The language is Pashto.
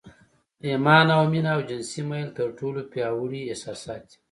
ایمان او مینه او جنسي میل تر ټولو پیاوړي احساسات دي